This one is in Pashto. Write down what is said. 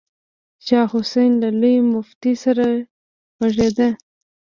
شاه حسين له لوی مفتي سره غږېده.